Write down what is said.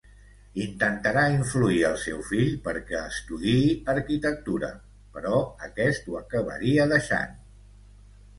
Intentarà influir al seu fill perquè estudiï arquitectura, però aquest ho acabaria deixant.